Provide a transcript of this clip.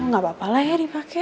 gapapa lah ya dipake